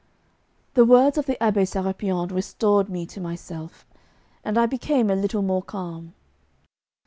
The words of the Abbé Sérapion restored me to myself, and I became a little more calm.